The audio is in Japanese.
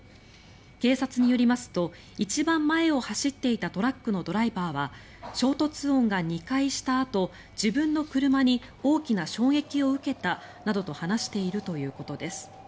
警察によりますと一番前を走っていたトラックのドライバーは衝突音が２回したあと自分の車に大きな衝撃を受けたなどと話しているということです。